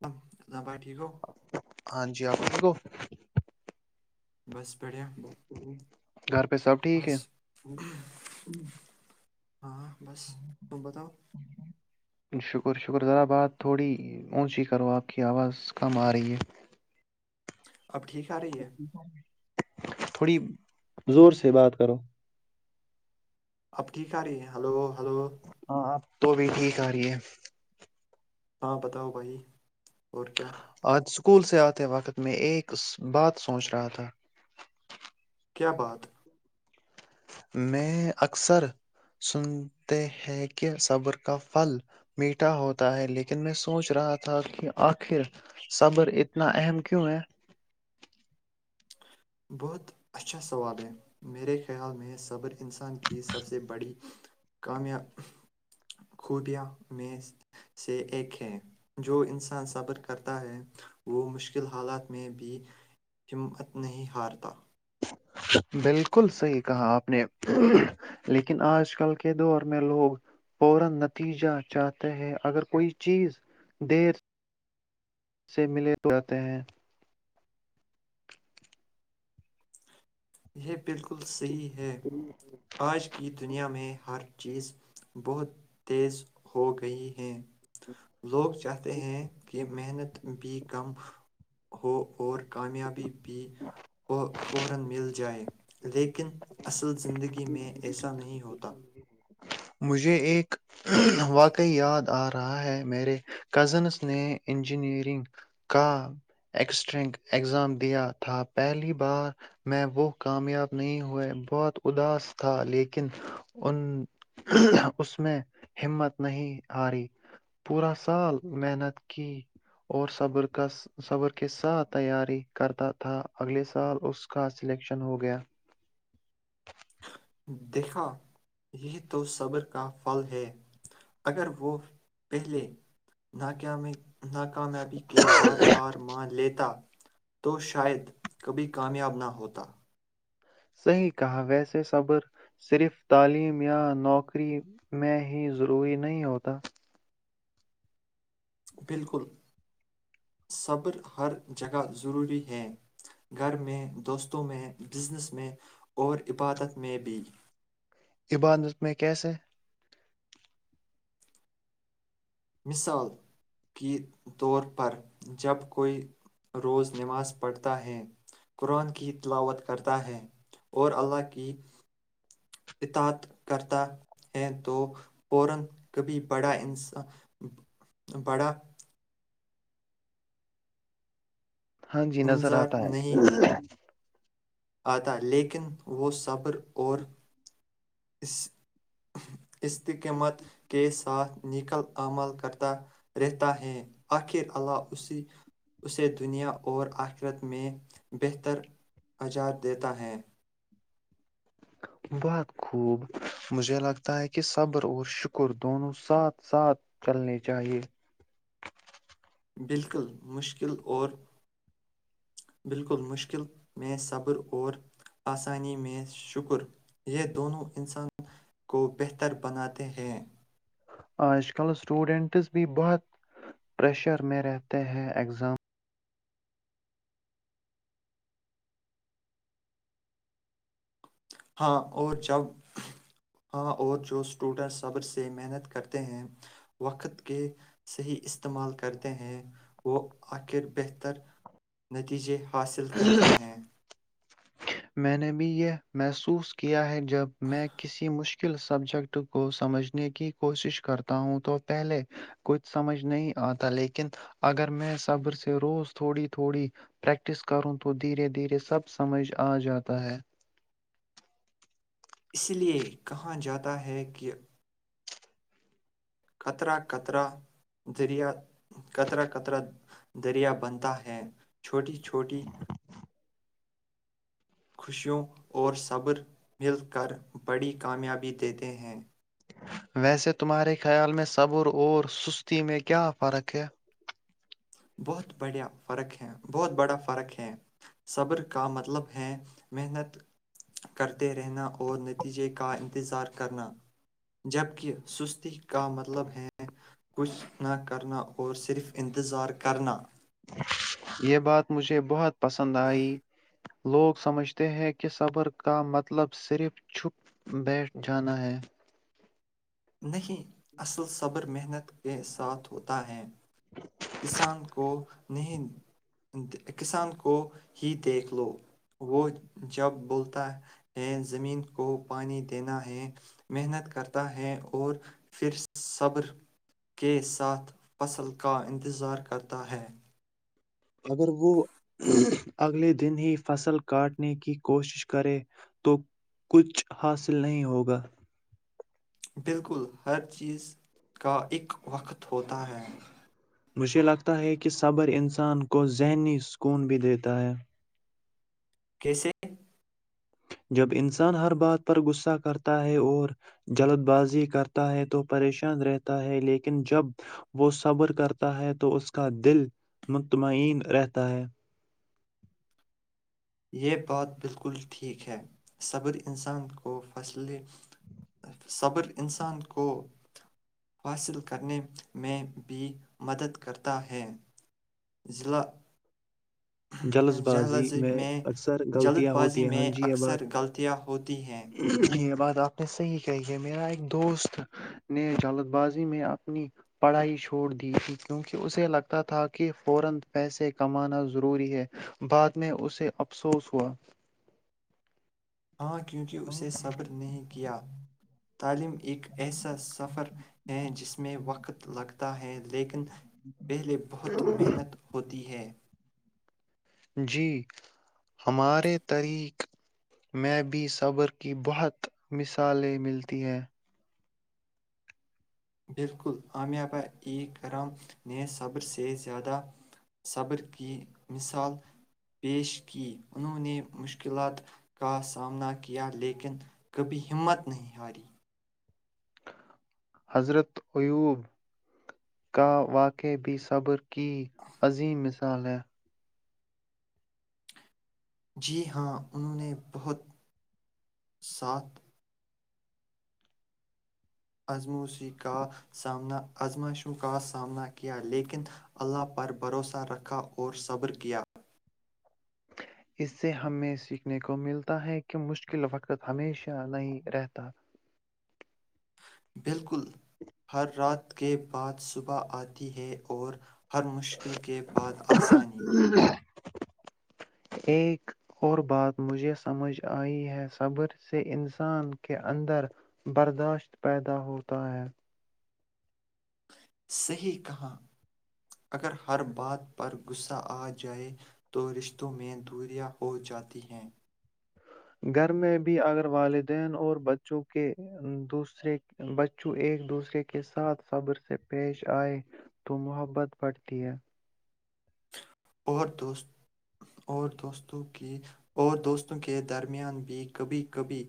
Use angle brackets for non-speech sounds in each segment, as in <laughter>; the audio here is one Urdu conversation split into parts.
<unintelligible> نہ بائی ٹھیک ہو ہاں جی آپ ٹھیک ہو بس بڑھیا گھر پہ سب ٹھیک بس ہے ہاں بس تم بتاؤ شکر شکر ذرا بات تھوڑی اونچی کرو آپ کی آواز کم آ رہی ہے <unintelligible> اب ٹھیک آ رہی ہے تھوڑی زور سے بات کرو اب ٹھیک ا رہی ہے ہیلو ہیلو اب تو بھی ٹھیک آ رہی ہے ہاں بتاؤ بھائی اور کیا؟ کول سے آتے وقت میں ایک بات سوچ رہا تھا کیا بات میں اکثر سنتے ہیں کہ صبر کا پھل میٹھا ہوتا ہے لیکن میں سوچ رہا تھا کہ آخر صبر اتنا اہم کیوں ہے بہت اچھا سوال ہے میرے خیال میں صبر انسان کی سب سے بڑی کامیا خوبیاں میں سے ایک ہے جو انسان صبر کرتا ہے وہ مشکل حالات میں بھی ہمت نہیں ہارتا بالکل صحی کہا آپ نے لیکن آج کل کے دور میں لوگ فورن نتیجہ چاہتے ہیں اگر کوئی چیز دیر سے ملے تو جتے ہیں یہ بالکل صحیح ہے آج کی دنیا میں ہر چیز بہت تیز ہو گئی ہے لوگ جو کہتے ہیں کہ محنت بھی کم ہو اور کامیابی بھی فورن مل جائے لیکن اصل زندگی میں ایسا نہیں ہوتا مجھے ایک واقعی یاد آ رہا ہے میرے کزنس نے انجینئرنگ کا ایکسٹرنک ایگزام دیا تھا پہلی بار میں وہ کامیاب نہیں ہوئے بہت اداس تھا لیکن ان اس میں ہمت نہیں ہاری پورا سال محنت کی اور صبر کا صبر کے ساتھ تیاری کرتا تھا اگلے سال اس کا سلیکشن ہو گیا دیکھا یہ تو صبر کا پھل ہے اگر وہ پہلے ناکامی ناکامیابی کے بعد ہار مان لیتا تو شاید کبھی کامیاب نہ ہوتا صحیح کہا ویسے صبر صرف تعلیم یا نوکری میں ہی ضروری نہیں ہوتا بالکل صبر ہر جگہ ضروری ہے گھر میں دوستوں میں بزنس میں اور عبادت میں بھی عبادت میں کیسے مثال کی طور پر جب کوئی روز نماز پڑھتا ہے قرآن کی تلاوت کرتا ہے اور اللہ کی اطات کرتا ہے تو فورن کبھی بڑا انسان بڑا ہاں جی نظر انظار آتا ہے نہیں آتا لیکن وہ صبر اور اس کے مت کے ساتھ نکل اعمال کردہ رہتا ہے اخر اللہ اسی اسے دنیا اور اخرت میں بہتر نجات دیتا ہے بہت خوب، مجھے لگتا ہے کہ صبر اور شکر دونوں ساتھ ساتھ چلنے چاہیئے بالکل مشکل اور بالکل مشکل میں صبر اور آسانی میں شکر یہ دونوں انسان کو بہتر بناتے ہیں آج کل اسٹوڈنٹس بھی بہت پریشر میں رہتے ہیں اگزام ہاں اور جب ہاں اور جو اسٹوڈن صبر سے محنت کرتے ہیں وقت کے صحیح استعمال کرتے ہیں وہ آخر بہتر نتیجے حاصل کرتے ہیں میں نے بھی یہ محسوس کیا ہے جو جب میں کسی مشکل مشکل سبجیکٹ کو سمجھنے کی کوشش کرتا ہوں تو پہلے کچھ سمجھ نہیں آتا لیکن اگر میں صبر سے روز تھوڑی تھوڑی پریکٹس کروں تو دھیرے دھیرے سب سمجھ آ جاتا ہے اس لیے کہاں جاتا ہے کہ ر کترا کترا دریا بنتا ہے چھوٹی چ چھوٹی خوشیوں اور صبر مل کر بڑی کامیابی دیتے ہیں ویسے تمہارے خیال میں صبر اور سستی میں کیا فرق ہے بہت بڑھیا فرق ہے بہت بڑا فرق ہے صبر کا مطلب ہے محنت کرتے رہنا اور نتیجے کا انتظار کرنا جبک سستی کا مطلب ہے کچھ نہ کرنا اور صرف انتظار کرنا یہ بات مجھے بہت پسند آئی لوگ سمجھتے ہیں کہ صبر کا مطلب صرف چھپ بیٹھ جانا ہے نہیں اصل صبر محنت کے ساتھ ہوتا ہے کسان کو نہیں کسان کو ہی دیکھ لو وہ جب بولتا ہے زمین کو پانی دینا ہے محنت کرتا ہے اور پھر صبر کے ساتھ فصل کا انتظار کرتا ہے اگر وہ اگلے دن ہی فصل کاٹنے کی کوشش کرے تو کچھ حاصل نہیں ہوگا بالکل ہر چیز کا اک وقت ہوتا ہے مجھے لگتا ہے کہ صبر انسان کو ذہنی سکون بھی دیتا ہے کیسے جب انسان ہر بات پر غصہ کرتا ہے اور جلد بازی کرتا ہے تو پریشان رہتا ہے لیکن جب وہ صبر کرتا ہے تو اس کا دل مطمئن رہتا ہے یہ بات بالکل ٹھیک ہے صبر انسان کو فصلیں صبر انسان کو حاصل کرنے میں بھی مدد کرتا ہے ضلع جلد جلد بازی میں اکثر جلد غلطیاں ہوتی بازی ہیں ہاں میں جی اباد اکثر غلطیاں ہوتی ہیں کے بعد میرا ایک دوست نے عدالت بازی میں اپنی بڑائی چھوڑ دیا کیونکہ اسے لگتا تھا کہ فورا پیسے کمانا ضروری ہے بعد میں اسے افسوس ہوا ہاں کیونکہ اسے صبر نہیں کیا تعلیم ایک ایسا سفر ہے جس میں وقت لگتا ہے لیکن پہلے بہت محنت ہوتی ہے جی ہمارے طرق میں بھی صبر کی بہت مثالیں ملتی ہیں بالکل اامیہبہ ایک کرام نے صبر سے زیادہ صبر کی مثال پیش کی انہوں نے مشکلات کا سامنا کیا لیکن کبھی ہمت نہیں ہاری حضرت اییوب کا واقع بھی صبر کی عظیم مثال ہے جی ہاں انہوں نے بہت ساتھ آزموسیی کا آزماشوں کا سامنا کیا لیکن اللہ پر بھروسہ رکھا اور صبر کیا اس سے ہمیں سیکھنے کو ملتا ہے کہ مشکل وقت ہمیشہ نہیں رہتا بالکل ہر رات کے بعد صبح آتی ہے اور ہر مشکل کے بعد آسانی ایک اور بات مجھے سمجھ آئی ہے صبر سے انسان کے اندر برداشت پیدا ہوتا ہے صحیح کہاں اگر ہر بات پر غصہ آ جائے تو رشتوں میں دوریاں ہو جاتی ہیں گھر میں بھی اگر والدین اور بچوں کے دوسرے بچوں ایک دوسرے کے ساتھ صبر سے پیش آئے تو محبت بڑھتی ہے اور دو اور دوست کی اور دوستوں کے درمیان بھی کبھی کبھی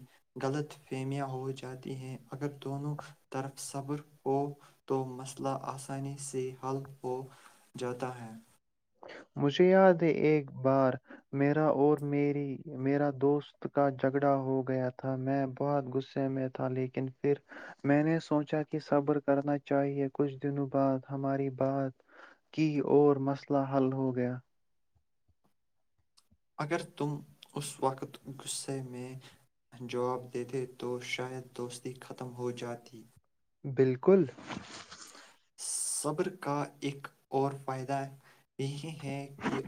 غلط فہمیاں ہو جاتی ہیں اگر دونوں طرف صبر ہو تو مسئلہ آسانی سے حل ہو جاتا ہے مجھے یاد ہے ایک بار میرا اور میری میرا دوست کا جھگڑا ہو گیا تھا میں بہت غصے میں تھا لیکن پھر میں نے سوچا کہ صبر کرنا چاہیے کچھ دنوں بعد ہماری بات کی اور مسئلہ مسلہ حل ہو گیا <inaudible> بالکل صبر کا ایک اور فائدہ یہ ہے کہ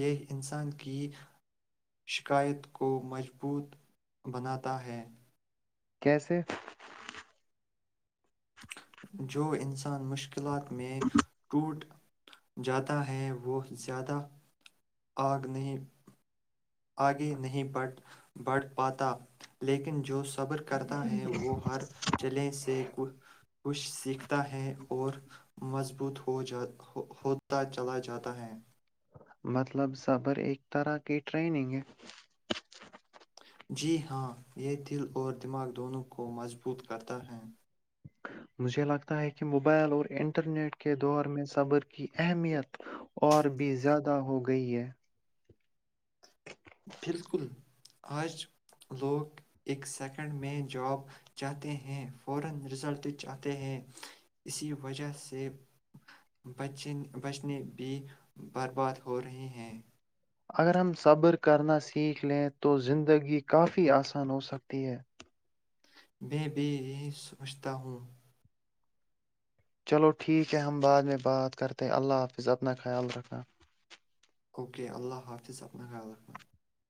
یہ انسان کی شکایت کو مضبوط بناتا ہے کیسے؟ جو انس انسان مشکلات میں ٹوٹ جاتا ہے وہ زیادہ آگ نہیں آگے نہیں بڑھ پاتا لیکن جو س صبر کرتا ہے وہ ہر جلے سے کچھ سیکھتا ہے اور مضبوط ہو جا ہوتا چلا جاتا ہے مطلب صبر ایک طرح کی ٹریننگ ہے جی ہاں یہ دل اور دماغ دونوں کو مضبوط کرتا ہے مجھے لگتا ہے کہ موبائل اور انٹرنیٹ کے دور میں صبر کی اہمیت اور بھی زیادہ ہو گئی ہے <inaudible> اگر ہم صبر کرنا سیکھ لیں تو زندگی کافی آسان ہو سکتی ہے میں بھی یہ سوچھتا ہوں چلو ٹھیک ہے ہم بعد میں بات کرتے اللہ حافظ اپنا خیال رکھنا اوکے اللہ حافظ اپنا خیال رکھنا